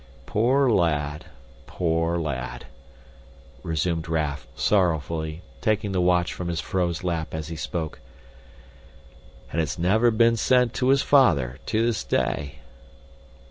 Poor lad, poor lad!" resumed Raff, sorrowfully, taking the watch from his vrouw's lap as he spoke. "And it's never been sent to his father to this day."